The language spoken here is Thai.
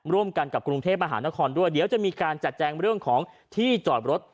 ร่วมกันกับกรุงเทพมหานครด้วยเดี๋ยวจะมีการจัดแจงเรื่องของที่จอดรถ